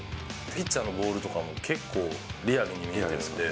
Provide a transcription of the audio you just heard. ピッチャーのボールとかも、結構、リアルに見られるので。